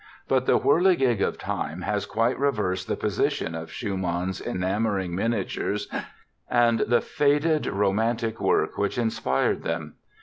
But the whirligig of time has quite reversed the position of Schumann's enamoring miniatures and the faded romantic work which inspired them.